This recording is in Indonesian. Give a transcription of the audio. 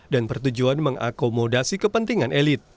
dan pertujuan mengakomodasi kepentingan